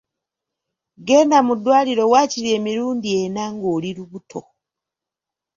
Genda mu ddwaliro waakiri emirundi ena ng’oli lubuto.